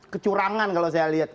kecurangan kalau saya lihat